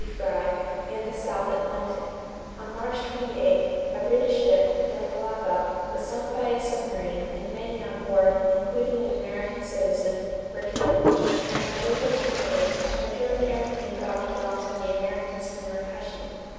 Frye_, in the South Atlantic; on March 28, a British ship, the Falaba, was sunk by a submarine and many on board, including an American citizen, were killed; and on April 28, a German airplane dropped bombs on the American steamer Cushing.